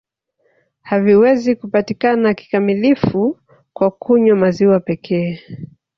Haviwezi kupatikana kikamilifu kwa kunywa maziwa pekee